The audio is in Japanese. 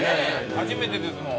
初めてですもん。